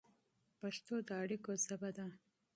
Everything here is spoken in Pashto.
پښتو د اړیکو ژبه ده.